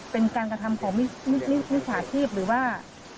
เป็นการกระทำของมิจฉาชีพหรือว่า